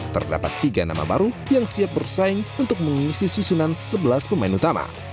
terdapat tiga nama baru yang siap bersaing untuk mengisi susunan sebelas pemain utama